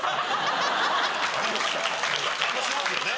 感動してますよね？